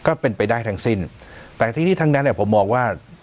ก็เป็นไปได้ทั้งสิ้นแต่ทั้งนี้ทั้งนั้นเนี่ยผมมองว่า